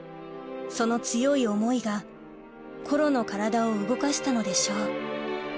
その強い思いがコロの体を動かしたのでしょう